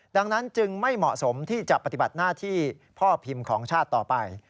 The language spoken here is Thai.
ดังนั้นจึงไม่เหมาะสมที่จะปฏิบัติหน้าที่พ่อพิมพ์ของชาติต่อไป